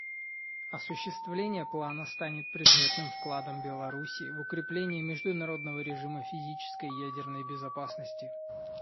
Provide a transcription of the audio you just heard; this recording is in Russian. Осуществление плана станет предметным вкладом Беларуси в укрепление международного режима физической ядерной безопасности.